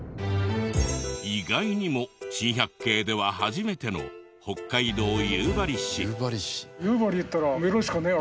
意外にも『珍百景』では初めての北海道夕張市。